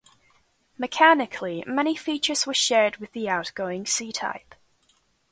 Mechanically, many features were shared with the outgoing C-Type.